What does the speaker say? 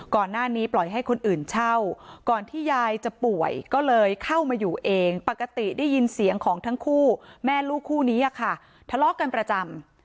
ก่อนหน้านี้ปล่อยให้คนอื่นเช่าก่อนที่ยายจะป่วยก็เลยเข้ามาอยู่เองปกติได้ยินเสียงของทั้งคู่แม่ลูกคู่นี้ค่ะทะเลาะกันประจำ